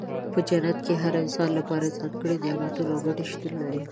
په جنت کې د هر انسان لپاره ځانګړي نعمتونه او ګټې شتون لري.